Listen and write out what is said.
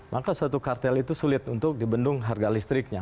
maka suatu kartel itu sulit untuk dibendung harga listriknya